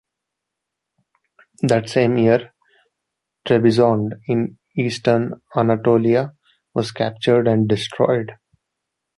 That same year Trebizond, in eastern Anatolia, was captured and destroyed.